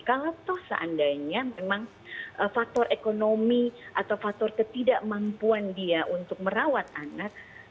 kalau toh seandainya memang faktor ekonomi atau faktor ketidakmampuan dia untuk merawat anak